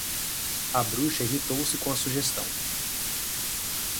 A bruxa irritou-se com a sugestão